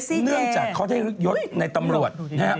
เนื่องจากเขาได้ลึกยศในตำรวจนะครับ